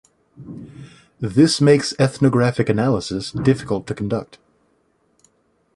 This makes ethnographic analysis difficult to conduct.